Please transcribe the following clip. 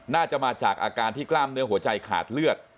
น่าจะมาจากอาการที่กล้ามเนื้อหัวใจขาดเลือด